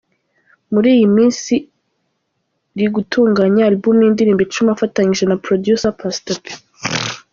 Muri iyi minsi ri gutunganya album y’indirimbo icumi afatanyije na Producer Pastor P.